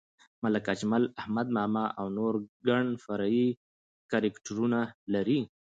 ملک اجمل، احمد ماما او نور ګڼ فرعي کرکټرونه لري.